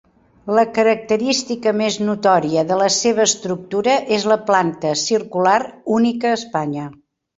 La característica més notòria de la seva estructura és la planta circular, única a Espanya.